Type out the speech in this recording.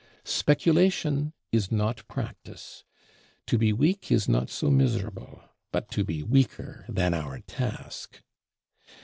Speculation is not practice: to be weak is not so miserable, but to be weaker than our task.